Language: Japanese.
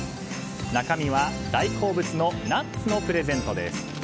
中身は、大好物のナッツのプレゼントです。